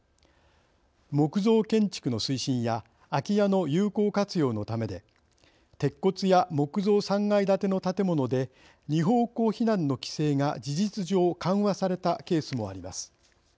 木造建築の推進や空き家の有効活用のためで鉄骨や木造３階建ての建物で２方向避難の規制が事実上緩和されたケースもあります。